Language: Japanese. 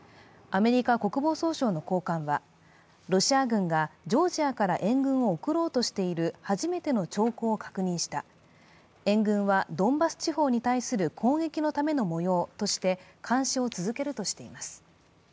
アメリカ国防総省の高官は、ロシア軍がジョージアから援軍を送ろうとしている初めての兆候を確認した、援軍はドンバス地方に対する攻撃のための模様として監視を続けるとしています。